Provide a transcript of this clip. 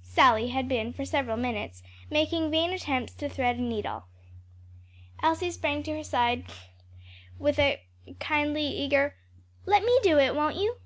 Sally had been for several minutes making vain attempts to thread a needle. Elsie sprang to her side with a kindly, eager, "Let me do it, won't you?"